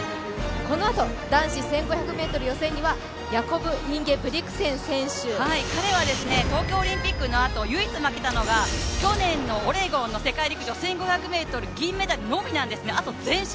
このあと、男子１５００ｍ予選には彼は東京オリンピックのあと唯一負けたのが去年のオレゴンの世界陸上１５００ｍの銀メダルのみなんです、あと全勝。